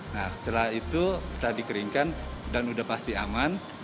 nah setelah itu setelah dikeringkan dan sudah pasti aman